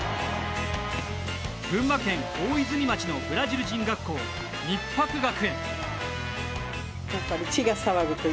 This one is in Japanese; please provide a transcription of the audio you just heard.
群馬県大泉町のブラジル人学校日伯学園。